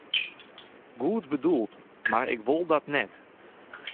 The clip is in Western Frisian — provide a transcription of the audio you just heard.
Goed bedoeld, mar ik wol dat net.